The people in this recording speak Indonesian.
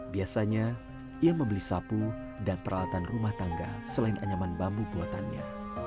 biasanya ia membeli sapu dan peralatan rumah tangga selain anyaman bambu buatannya